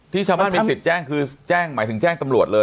ที่ชาวบ้านมีสิทธิ์แจ้งคือแจ้งหมายถึงแจ้งตำรวจเลย